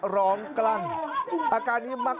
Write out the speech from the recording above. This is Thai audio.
ร้องกลั้นอาการนี้มาก